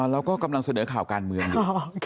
เราก็กำลังเสนอข่าวการเมืองดี